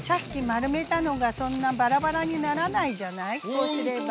こうすれば。